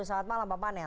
selamat malam bang panel